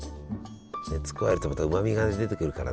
熱加えるとまたうまみが出てくるからね。